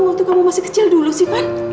waktu kamu masih kecil dulu sih pan